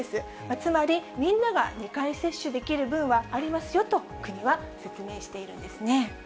つまり、みんなが２回接種できる分はありますよと、国は説明しているんですね。